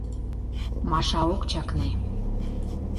— Маша ок чакне.